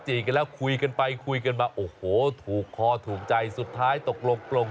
เหมาะสมกันจริง